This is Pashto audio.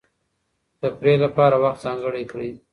تفریح لپاره وخت ځانګړی کړئ.